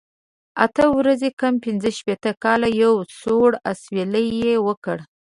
اته ورځې کم پنځه شپېته کاله، یو سوړ اسویلی یې وکړ.